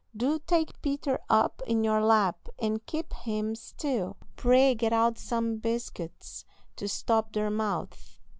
"Do take Peter up in your lap, and keep him still." "Pray get out some biscuits to stop their mouths."